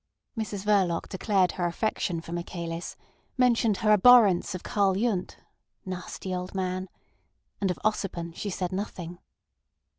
Mrs Verloc declared her affection for Michaelis; mentioned her abhorrence of Karl Yundt, "nasty old man"; and of Ossipon she said nothing.